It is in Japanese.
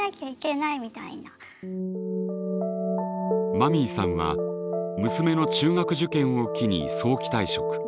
マミーさんは娘の中学受験を機に早期退職。